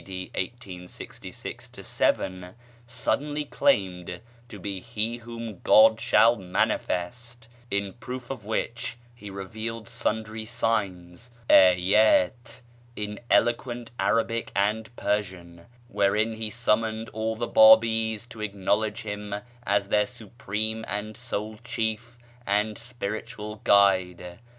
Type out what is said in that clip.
D. 1866 7) suddenly claimed to be "He whom God shall manifest," in proof of which he revealed sundry "signs" (áyát) in eloquent Arabic and Persian, wherein he summoned all the Bábís to acknowledge him as their supreme and sole chief and spiritual guide.